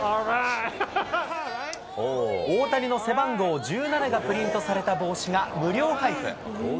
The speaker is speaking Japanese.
大谷の背番号１７がプリントされた帽子が無料配布。